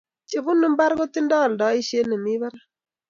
chebunu mbar kotindai aldaishet nemi barak